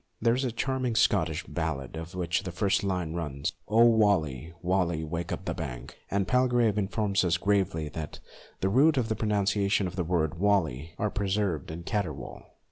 There is a charming Scotch ballad, of which the first line runs, " O waly, waly up the bank," and Palgrave informs us gravely that the root and pronunciation of the word waly are preserved in caterwaul !